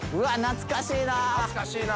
懐かしいな。